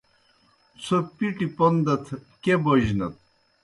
څھوْ پِٹیْ پوْن دتھ کیْہ بوجنَت۔